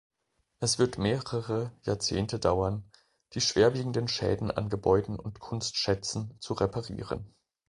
Es wird mehrere Jahrzehnte dauern, die schwerwiegenden Schäden an Gebäuden und Kunstschätzen zu reparieren.